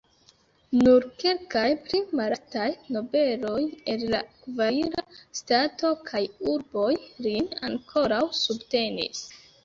Nur kelkaj pli malaltaj nobeloj el la kavalira stato kaj urboj lin ankoraŭ subtenis.